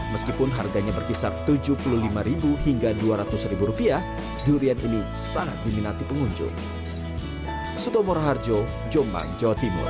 meskipun harganya berkisar rp tujuh puluh lima hingga rp dua ratus durian ini sangat diminati pengunjung